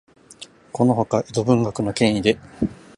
このほか、江戸文学の権威で、